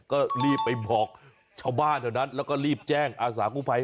ก็รีบไปบอกชาวบ้านเท่านั้นแล้วก็รีบแจ้งอาศักดิ์กูภัย